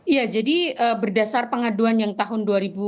ya jadi berdasar pengaduan yang tahun dua ribu dua puluh